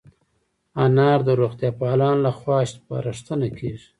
انار د روغتیا پالانو له خوا سپارښتنه کېږي.